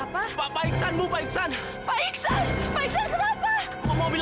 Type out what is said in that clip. pak iksan jangan tinggalin aku mak